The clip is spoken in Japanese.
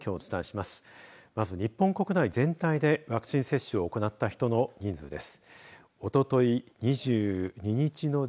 まず日本国内全体でワクチン接種を行った人の人数です。